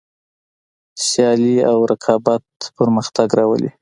سیالي او رقابت پرمختګ راولي.